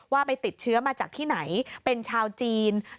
ว่าไปติดเชื้อมาจากที่ไหนเป็นชาวจีน